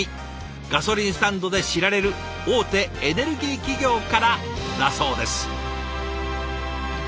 ガソリンスタンドで知られる大手エネルギー企業からだそうです。